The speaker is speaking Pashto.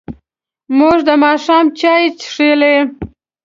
موږ د ماښام چای څښلی.